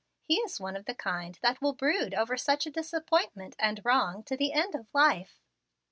He is one of the kind that will brood over such a disappointment and wrong to the end of life."